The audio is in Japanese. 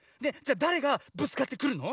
だれがぶつかってくるの？